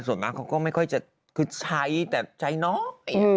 ส่วนมากเขาก็ไม่ค่อยจะคือใช้แต่ใช้น้อย